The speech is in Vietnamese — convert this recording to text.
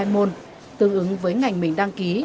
hai môn tương ứng với ngành mình đăng ký